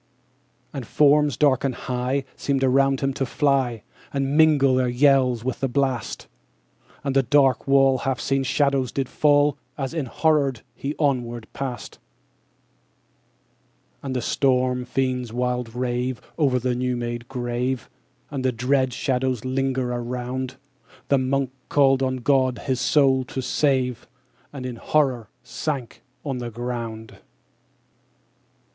12. And forms, dark and high, _65 Seemed around him to fly, And mingle their yells with the blast: And on the dark wall Half seen shadows did fall, As enhorrored he onward passed. _70 13. And the storm fiends wild rave O'er the new made grave, And dread shadows linger around. The Monk called on God his soul to save, And, in horror, sank on the ground.